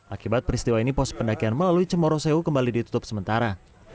akibat peristiwa ini pos pendakian melalui cemorosewu kembali ditutup sementara